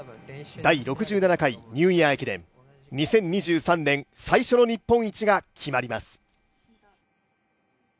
第６７回ニューイヤー駅伝、２０２３年最初の日本一が決まります。